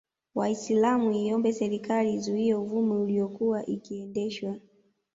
Waislamu iiombe serikali izuie uvumi uliyokuwa ikiendeshwa